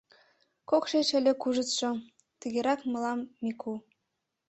Кок шеч ыле кужытшо, Тыгерак мылам Мику